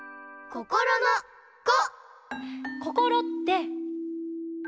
こころの「こ」！